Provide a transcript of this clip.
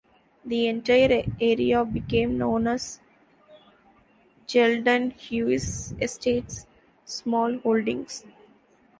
The entire area became known as Geldenhuis Estates Smallholdings.